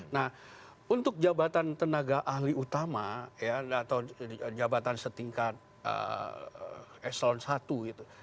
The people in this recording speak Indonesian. nah untuk jabatan tenaga ahli utama ya atau jabatan setingkat eselon i itu